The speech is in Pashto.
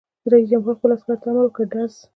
رئیس جمهور خپلو عسکرو ته امر وکړ؛ ډز!